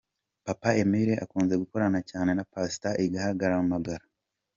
Papa Emile akunze gukorana cyane na Pastor Igiharamagara.